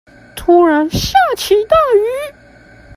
突然下起大雨